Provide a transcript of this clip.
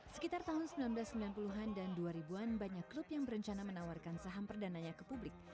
sekitar tahun seribu sembilan ratus sembilan puluh an dan dua ribu an banyak klub yang berencana menawarkan saham perdananya ke publik